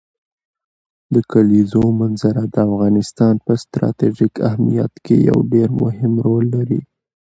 د کلیزو منظره د افغانستان په ستراتیژیک اهمیت کې یو ډېر مهم رول لري.